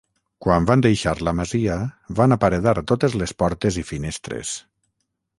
Quan van deixar la masia, van aparedar totes les portes i finestres.